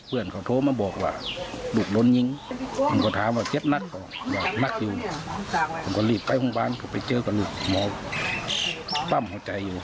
ผมก็รีบไปห้องบ้านผมไปเจอกับลูกหมอปั้มของชายอยู่